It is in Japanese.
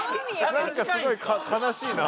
なんかすごい悲しいな。